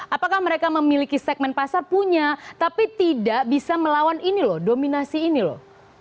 apakah mereka memiliki segmen pasar punya tapi tidak bisa melawan ini loh dominasi ini loh